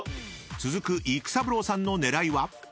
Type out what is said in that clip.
［続く育三郎さんの狙いは］